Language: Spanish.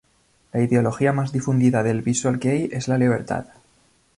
La ideología más difundida del Visual kei es la libertad.